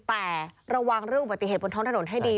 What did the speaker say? แต่ระวังเรื่องอุบัติเหตุบนท้องถนนให้ดี